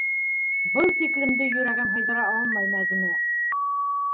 Был тиклемде йөрәгем һыйҙыра алмай, Мәҙинә!